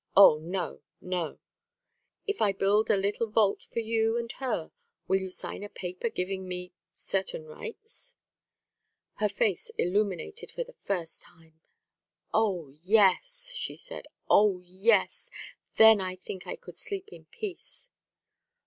Oh, no! no!" "If I build a little vault for you and her will you sign a paper giving me certain rights?" Her face illuminated for the first time. "Oh, yes!" she said. "Oh, yes! Then I think I could sleep in peace."